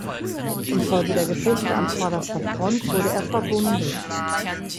In Folge der Gefechte an vorderster Front wurde er verwundet.